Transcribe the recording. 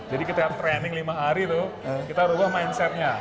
jadi kita training lima hari itu kita ubah mindsetnya